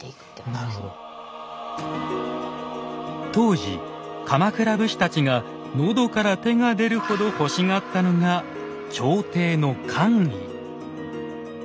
当時鎌倉武士たちが喉から手が出るほど欲しがったのが朝廷の官位。